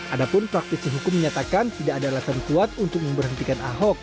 adapun praktisi hukum menyatakan tidak ada alasan kuat untuk memberhentikan ahok